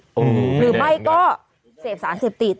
หรือไม่ก็เสพสารเสพติด